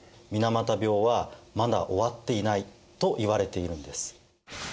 水俣病はまだ終わっていないと言われているんです。